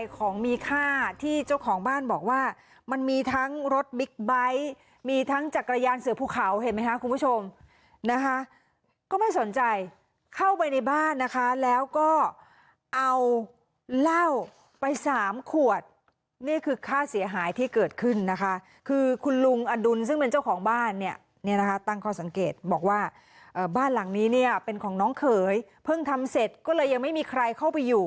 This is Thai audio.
ของมีค่าที่เจ้าของบ้านบอกว่ามันมีทั้งรถบิ๊กไบท์มีทั้งจักรยานเสือภูเขาเห็นไหมคะคุณผู้ชมนะคะก็ไม่สนใจเข้าไปในบ้านนะคะแล้วก็เอาเหล้าไปสามขวดนี่คือค่าเสียหายที่เกิดขึ้นนะคะคือคุณลุงอดุลซึ่งเป็นเจ้าของบ้านเนี่ยเนี่ยนะคะตั้งข้อสังเกตบอกว่าบ้านหลังนี้เนี่ยเป็นของน้องเขยเพิ่งทำเสร็จก็เลยยังไม่มีใครเข้าไปอยู่